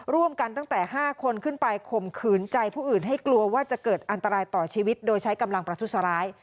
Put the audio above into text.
ตั้งแต่๕คนขึ้นไปข่มขืนใจผู้อื่นให้กลัวว่าจะเกิดอันตรายต่อชีวิตโดยใช้กำลังประทุษร้าย